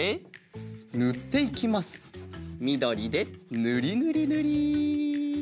みどりでぬりぬりぬり。